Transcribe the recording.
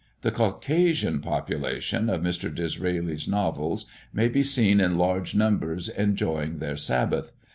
The "Caucasian population" of Mr. Disraeli's novels may be seen in large numbers enjoying their sabbath.